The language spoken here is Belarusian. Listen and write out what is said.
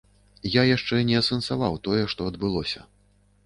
Я яшчэ не асэнсаваў тое, што адбылося.